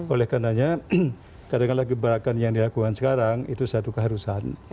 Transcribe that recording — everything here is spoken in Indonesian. olehkannya kadang gebrakan yang dilakukan sekarang itu satu keharusan